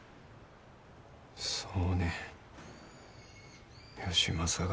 そうね義正が。